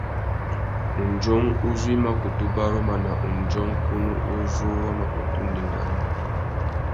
Undjông uzu i mà kutu baruma nà undjông kunú uzu wa mà kutu ndénda awô.